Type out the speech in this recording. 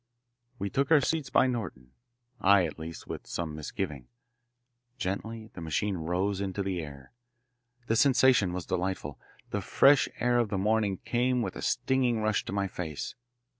We took our seats by Norton, I, at least, with some misgiving. Gently the machine rose into the air. The sensation was delightful. The fresh air of the morning came with a stinging rush to my face.